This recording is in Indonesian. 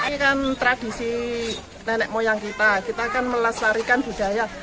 ini kan tradisi nenek moyang kita kita kan melestarikan budaya